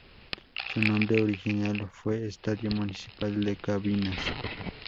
Su nombre original fue Estadio Municipal de Cabimas.